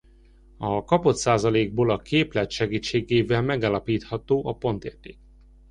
A kapott százalékból a képlet segítségével megállapítható a pontérték.